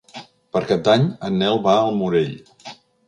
Per Cap d'Any en Nel va al Morell.